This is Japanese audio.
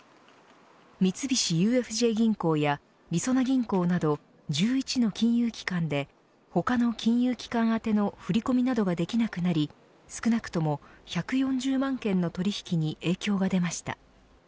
三菱ＵＦＪ銀行やりそな銀行など１１の金融機関で他の金融機関宛ての振り込みなどができなくなり少なくとも１４０万件の取引に影響が出ました。